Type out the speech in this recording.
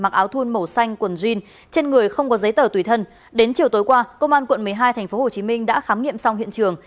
chủ tối qua công an quận một mươi hai tp hcm đã khám nghiệm xong hiện trường